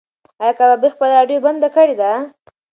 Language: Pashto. ایا کبابي خپله راډیو بنده کړې ده؟